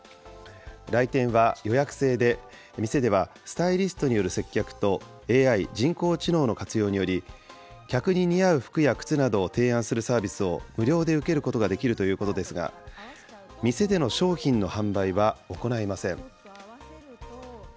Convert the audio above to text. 来店は予約制で、店ではスタイリストによる接客と、ＡＩ・人工知能の活用により、客に似合う服や靴などを提案するサービスを無料で受けることができるということですが、店での商品の販売は行いません。